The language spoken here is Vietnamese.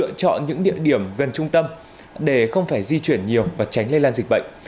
lựa chọn những địa điểm gần trung tâm để không phải di chuyển nhiều và tránh lây lan dịch bệnh